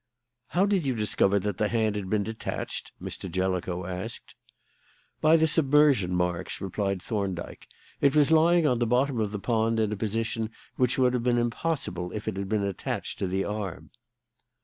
"How did you discover that the hand had been detached?" Mr. Jellicoe asked. "By the submersion marks," replied Thorndyke. "It was lying on the bottom of the pond in a position which would have been impossible if it had been attached to the arm."